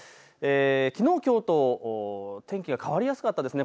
きのうきょうと、天気が変わりやすかったですね。